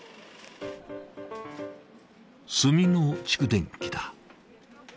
炭の蓄電器だ。